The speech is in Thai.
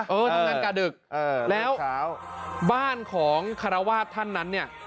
ทำงานกาดึกแล้วบ้านของคารวาสท่านนั้นเนี่ย